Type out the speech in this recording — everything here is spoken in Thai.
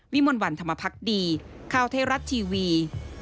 วิมวันวันธรรมพักษ์ดีข้าวเทศรัทย์ทีวี